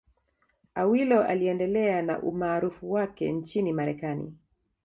Awilo aliendelea na umaarufu wake nchini Marekani